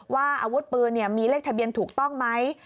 อาวุธปืนมีเลขทะเบียนถูกต้องไหม